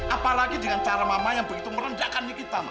apalagi dengan cara mama yang begitu merendahkan nikita